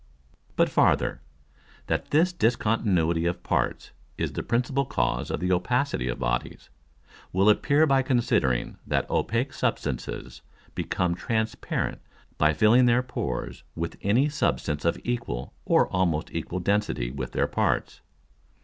But farther, that this discontinuity of parts is the principal Cause of the opacity of Bodies, will appear by considering, that opake Substances become transparent by filling their Pores with any Substance of equal or almost equal density with their parts.